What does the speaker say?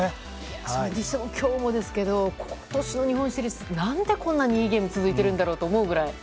それにしても今日もですが今年の日本シリーズ何で、こんなにいいゲームが続いていると思うぐらい。